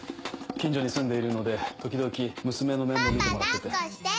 近所に住んでいるので時々娘の面倒を見てもらってて。